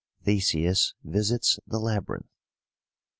THESEUS VISITS THE LABYRINTH.